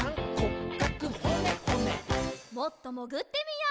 もっともぐってみよう！